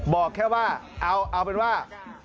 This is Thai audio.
บอกแค่ว่าเอาเป็นว่า